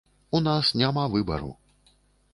У нас няма выбару.